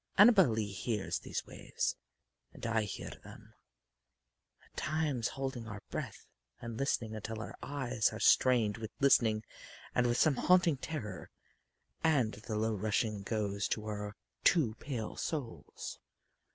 Annabel Lee hears these waves, and I hear them, at times holding our breath and listening until our eyes are strained with listening and with some haunting terror, and the low rushing goes to our two pale souls.